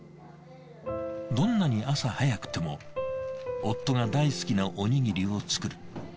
どんなに朝早くても夫が大好きなおにぎりを作る。